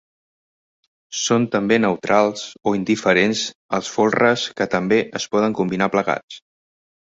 Són també neutrals o indiferents els folres, que també es poden combinar plegats.